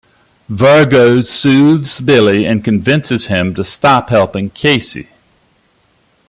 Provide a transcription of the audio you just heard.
Virgo soothes Billy and convinces him to stop helping Casey.